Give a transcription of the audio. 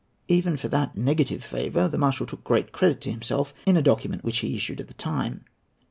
Even for that negative favour the marshal took great credit to himself in a document which he issued at the time.